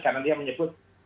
karena dia menyebut